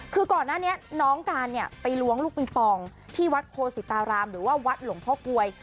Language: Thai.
คือก่อนหน้านี้น้องการเนี่ยไปล้วงลูกปิงปองที่วัดโพสิตารามหรือว่าวัดหลวงพ่อกลวย